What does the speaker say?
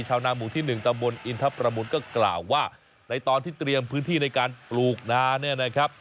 ชาวนาหมู่ที่๑ตำบลอินทรประมูลก็กล่าวว่าในตอนที่เตรียมพื้นที่ในการปลูกนาเนี่ยนะครับ